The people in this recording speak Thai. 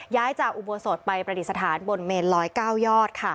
ย้ายจากอุโบสถไปประดิษฐานบนเมน๑๐๙ยอด